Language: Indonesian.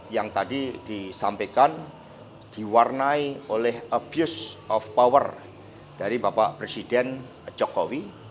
yang tadi disampaikan diwarnai oleh abuse of power dari bapak presiden jokowi